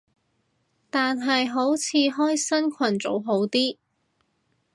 但係好似開新群組好啲